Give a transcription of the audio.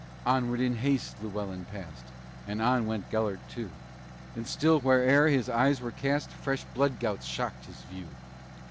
Onward in haste Llewellyn passed, And on went Gelert, too, And still, where'er his eyes were cast, Fresh blood gouts shocked his view.